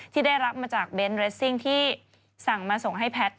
ที่ได้รับมาจากเบนท์เรสซิ่งที่สั่งมาส่งให้แพทย์